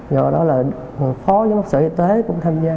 do đó là phó giám đốc sở y tế cũng tham gia